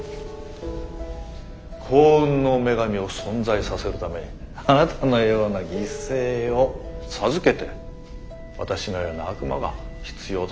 幸運の女神を存在させるためあなたのような犠牲を授けて私のような悪魔が必要とされる理由なんですね。